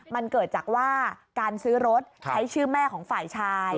มันเกิดจากว่าการซื้อรถใช้ชื่อแม่ของฝ่ายชาย